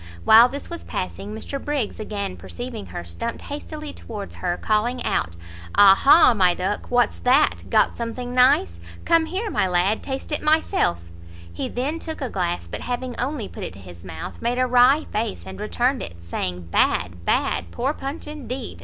While this was passing, Mr Briggs, again perceiving her, stumpt hastily towards her, calling out "Ah ha! my duck! what's that? got something nice? Come here, my lad, taste it myself." He then took a glass, but having only put it to his mouth, made a wry face, and returned it, saying "Bad! bad! poor punch indeed!